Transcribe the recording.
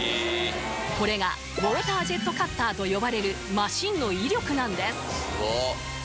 これがウォータージェットカッターと呼ばれるマシンの威力なんです